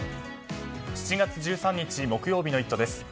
７月１３日、木曜日の「イット！」です。